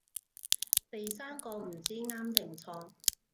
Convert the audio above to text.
第三個唔知啱定錯